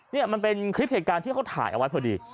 นี่มันเป็นคลิปเหตุการณ์ที่เขาถ่ายเอาไว้พอดี